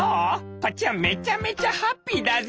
こっちはめちゃめちゃハッピーだぜ」。